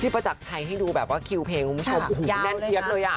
พี่ไปจากไทยให้ดูแบบว่าคิวเพลงคุณผู้ชมแน่นเตี๊ยบเลย